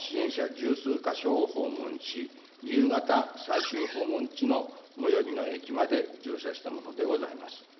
十数か所を訪問し、夕方、最終訪問地の最寄りの駅まで乗車したものでございます。